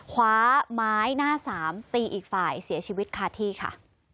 คว้าไม้หน้าสามตีอีกฝ่ายเสียชีวิตคาที่ค่ะ